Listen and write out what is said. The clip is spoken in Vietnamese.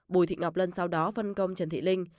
bùi thị ngọc lân sau đó phân công trần thị linh